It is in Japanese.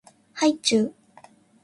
はいちゅう